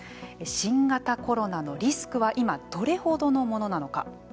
新型コロナのリスクは今、どれほどのものなのか。